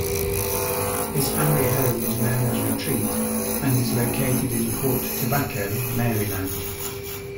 His family home was known as Retreat and is located in Port Tobacco, Maryland.